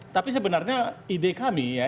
tapi sebenarnya ide kami ya